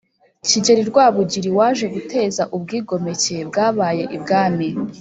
Kigeri Rwabugiri waje guteza ubwigomeke bwabaye ibwami